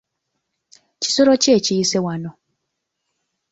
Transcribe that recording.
Kisolo ki ekiyise wano?